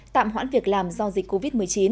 tạm hoãn việc làm do dịch covid một mươi chín